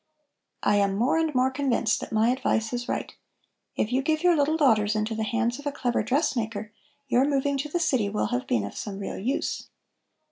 I am more and more convinced that my advice is right. If you give your little daughters into the hands of a clever dressmaker, your moving to the city will have been of some real use."